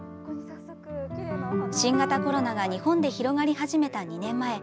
新型コロナが日本で広がり始めた２年前。